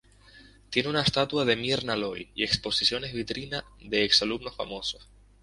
Tiene una estatua de Myrna Loy y exposiciones vitrina de ex-alumnos famosos.